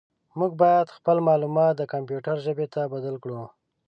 موږ باید خپل معلومات د کمپیوټر ژبې ته بدل کړو.